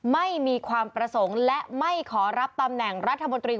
ไม่มีความประสงค์และไม่ขอรับตำแหน่งรัฐมนตรี